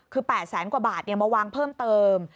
คือ๘แสนกว่าบาทมาวางเพิ่มเติม